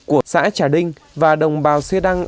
của xã trà linh và đồng bào xê đăng